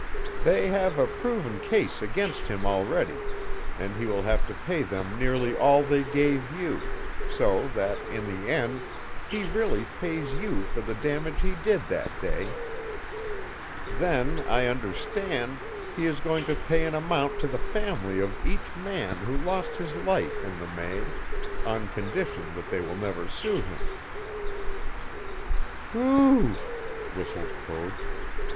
"They have a proven case against him already, and he will have to pay them nearly all they gave you so that, in the end, he really pays you for the damage he did that day. Then, I understand, he is going to pay an amount to the family of each man who lost his life in the May, on condition that they will never sue him." "Whee ew!" whistled Code.